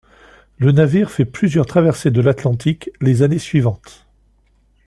Le navire fait plusieurs traversées de l'Atlantique les années suivantes.